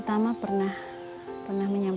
ketika anaknya pulang kerja ibu menguruskan buku